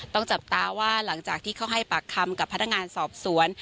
จับตาว่าหลังจากที่เขาให้ปากคำกับพนักงานสอบสวน